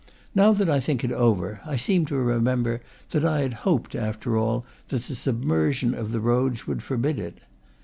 Now that I think it over, I seem to remember that I had hoped, after all, that the submersion of the roads would forbid it.